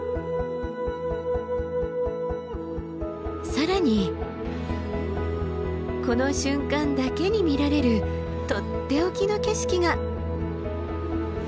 更にこの瞬間だけに見られるとっておきの景色が。